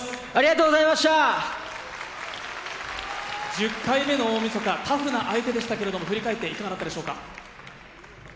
１０回目の大みそか、タフな相手でしたが、振り返って、いかがでしたか。